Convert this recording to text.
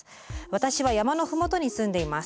「私は山の麓に住んでいます」。